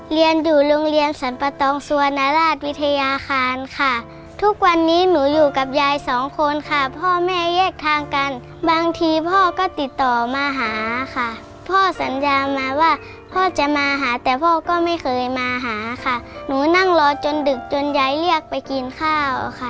เรียนอยู่โรงเรียนสรรปะตองสุวรรณราชวิทยาคารค่ะทุกวันนี้หนูอยู่กับยายสองคนค่ะพ่อแม่แยกทางกันบางทีพ่อก็ติดต่อมาหาค่ะพ่อสัญญามาว่าพ่อจะมาหาแต่พ่อก็ไม่เคยมาหาค่ะหนูนั่งรอจนดึกจนยายเรียกไปกินข้าวค่ะ